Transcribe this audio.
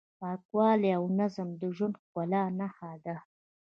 پاکوالی او نظم د ژوند د ښکلا نښه ده.